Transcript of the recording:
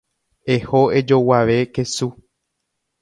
Eho ejoguave kesu.